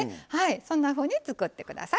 そんなふうに作って下さい。